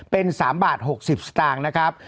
เป็น๓บาท๖๐สตางค์นะครับ